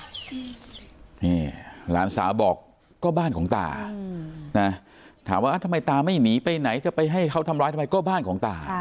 นี่หลานสาวบอกก็บ้านของตานะถามว่าทำไมตาไม่หนีไปไหนจะไปให้เขาทำร้ายทำไมก็บ้านของตา